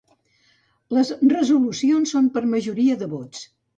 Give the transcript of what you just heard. Les resolucions són per majoria de vots.